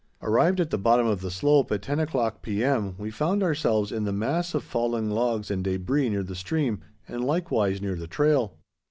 Arrived at the bottom of the slope at ten o'clock P.M., we found ourselves in the mass of fallen logs and debris near the stream, and likewise near the trail.